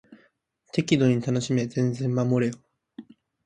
適度に楽しめ全然守れん